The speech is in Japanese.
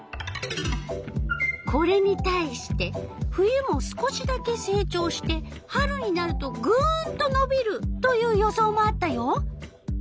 これに対して冬も少しだけ成長して春になるとぐんとのびるという予想もあったよ。